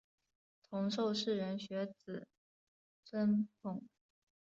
同受士人学子尊奉。